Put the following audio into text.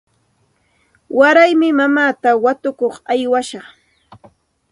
Waraymi mamaata watukuq aywashaq.